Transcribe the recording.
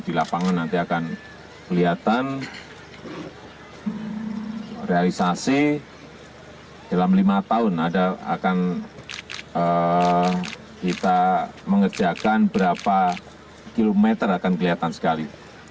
di lapangan nanti akan kelihatan realisasi dalam lima tahun akan kita mengerjakan berapa kilometer akan kelihatan sekali